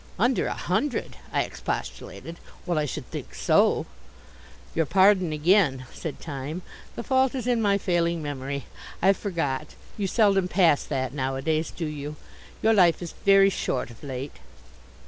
"Under a hundred?" I expostulated. "Well, I should think so!" "Your pardon again," said Time, "the fault is in my failing memory. I forgot. You seldom pass that nowadays, do you? Your life is very short of late."